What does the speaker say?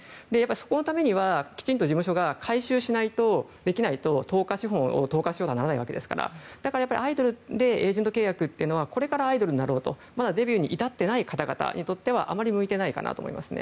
そのためにはきちんと事務所が回収できないと投下資本にならないわけですからだからアイドルでエージェント契約というのはこれからアイドルになろうとまだデビューに至ってない方々にはあまり向いていないかなと思いますね。